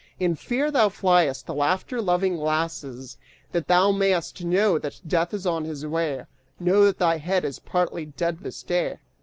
In fear thou fliest the laughter loving lasses. That thou may'st know that Death is on his way, Know that thy head is partly dead this day!"